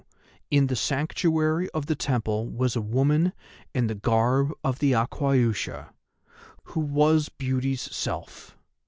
in the Sanctuary of the temple was a woman in the garb of the Aquaiusha, who was Beauty's self.